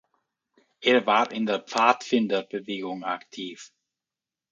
Er war in der Pfadfinderbewegung aktiv.